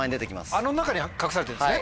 あの中に隠されてんすね？